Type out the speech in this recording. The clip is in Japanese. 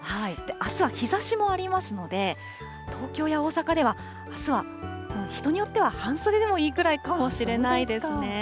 あすは日ざしもありますので、東京や大阪では、あすは人によっては半袖でもいいくらいかもしれないですね。